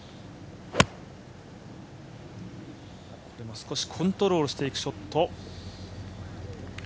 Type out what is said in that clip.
少しコントロールしていくショット。